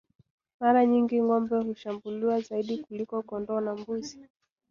Mara nyingi ngombe hushambuliwa zaidi kuliko kondoo na mbuzi